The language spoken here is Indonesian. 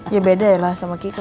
ya beda ya sama kiki